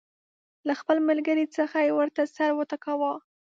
له خپل ملګري څخه یې ورته سر وټکاوه.